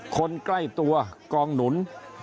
คนใกล้ตัวกองหนุน